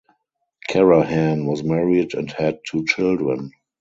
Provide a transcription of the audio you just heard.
Karahan was married and had two children.